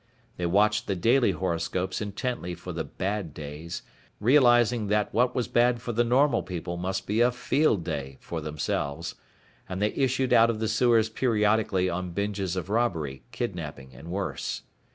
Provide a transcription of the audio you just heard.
They watched the daily horoscopes intently for the Bad Days, realizing that what was bad for the normal people must be a field day for themselves, and they issued out of the sewers periodically on binges of robbery, kidnapping, and worse.